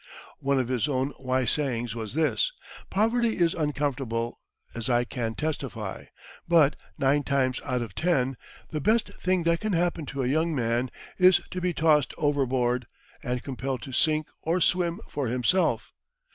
One of his own wise sayings was this: "Poverty is uncomfortable, as I can testify; but, nine times out of ten, the best thing that can happen to a young man is to be tossed overboard, and compelled to sink or swim for himself.